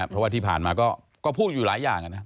เพราะว่าที่ผ่านมาก็พูดอยู่หลายอย่างนะ